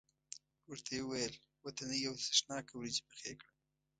ورته یې وویل وطنۍ او سرېښناکه وریجې پخې کړم.